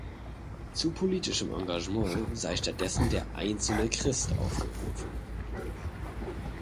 Zu politischem Engagement sei stattdessen der einzelne Christ aufgerufen.